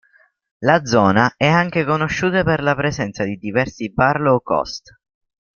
La zona è anche conosciuta per la presenza di diversi bar low-cost.